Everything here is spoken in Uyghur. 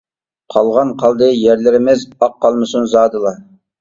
قالغان قالدى يەرلىرىمىز، ئاق قالمىسۇن زادىلا.